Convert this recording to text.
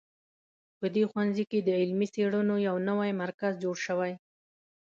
په دې ښوونځي کې د علمي څېړنو یو نوی مرکز جوړ شوی